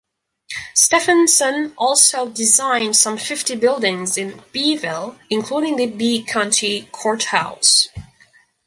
Stephenson also designed some fifty buildings in Beeville, including the Bee County Courthouse.